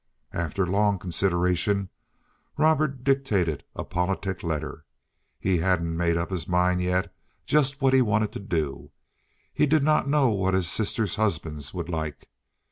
After long consideration, Robert dictated a politic letter. He hadn't made up his mind yet just what he wanted to do. He did not know what his sisters' husbands would like.